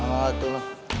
ah itu lah